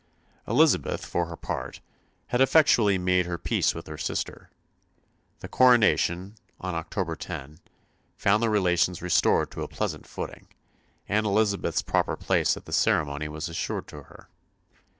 Elizabeth, for her part, had effectually made her peace with her sister. The coronation, on October 10, found their relations restored to a pleasant footing, and Elizabeth's proper place at the ceremony was assured to her.